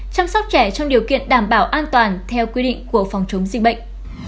chăm sóc trẻ trong điều kiện đảm bảo an toàn theo quy định của phòng chống dịch bệnh